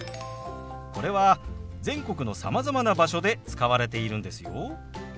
これは全国のさまざまな場所で使われているんですよ。